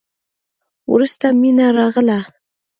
وروسته مينه راغله.